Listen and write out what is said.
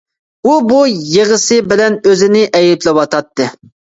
ئۇ بۇ يىغىسى بىلەن ئۆزىنى ئەيىبلەۋاتاتتى.